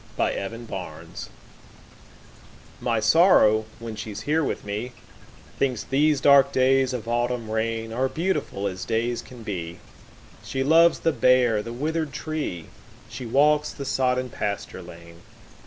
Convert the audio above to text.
My November Guest MY Sorrow, when she's here with me, Thinks these dark days of autumn rainAre beautiful as days can be; She loves the bare, the withered tree; She walks the sodden pasture lane.